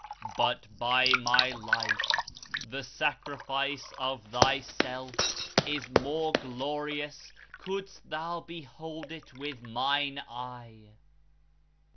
But by My Life! The sacrifice of thyself is more glorious, couldst thou behold it with Mine Eye.